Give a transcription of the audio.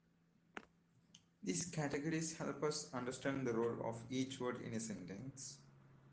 These categories help us understand the role of each word in a sentence.